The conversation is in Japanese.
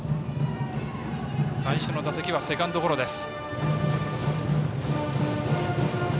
最初の打席はセカンドゴロです。